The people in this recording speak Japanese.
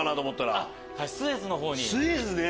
スエズね！